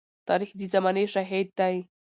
تاریخ د زمانې شاهد دی.